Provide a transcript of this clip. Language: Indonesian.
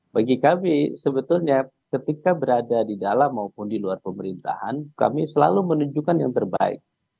bagi kami sebetulnya ketika berada di dalam maupun di luar pemerintahan kami selalu menunjukkan yang terbaik